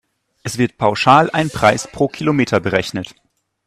Es wird pauschal ein Preis pro Kilometer berechnet.